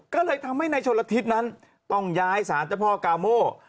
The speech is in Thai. ก็เลยทำให้ในชนละทิศนั้นต้องย้ายสารเจ้าพ่อกาโม